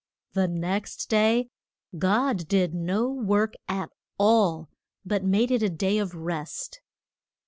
The next day God did no work at all, but made it a day of rest.